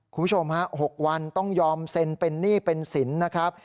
คุณผู้ชมฮะ๖วันต้องยอมเซ็นเป็นหนี้เป็นสินนะครับ